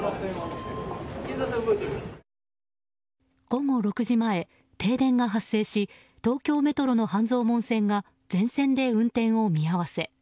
午後６時前、停電が発生し東京メトロの半蔵門線が全線で運転を見合わせ。